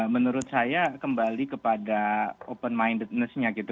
menurut saya kembali kepada open mindednessnya gitu